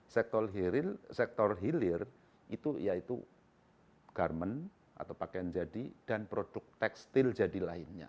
sektor hilir itu yaitu garmen atau pakaian jadi dan produk tekstil jadi lainnya